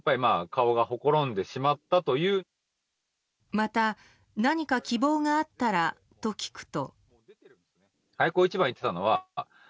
また、何か希望があったらと聞くと。